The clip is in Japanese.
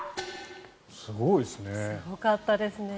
すごいですね。